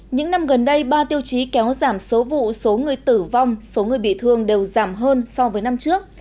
những năm gần đây ba tiêu chí kéo giảm số vụ số người tử vong số người bị thương đều giảm hơn so với năm trước